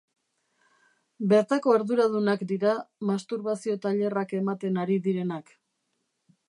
Bertako arduradunak dira, masturbazio tailerrak ematen ari direnak.